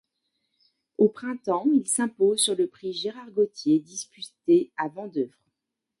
Au printemps, il s'impose sur le Prix Gérard-Gautier, disputé à Vendeuvre.